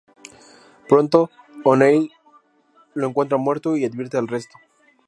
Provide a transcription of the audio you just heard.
Pronto O'Neill lo encuentra muerto, y advierte al resto.